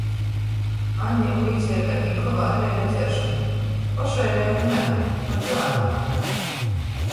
Anne vuiceja, kai tikt golā ar veira dzeršonu. Pošai veira nabeja, pat dzāruoja nā.